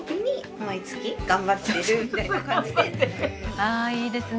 あーいいですね